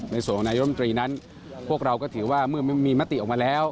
ในส่วนของนายรมตรีนั้นพวกเราก็ถือว่าเมื่อมีมติออกมาแล้ว